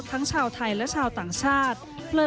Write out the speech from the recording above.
ทั้งชาวไทยและชาวต่างชาติ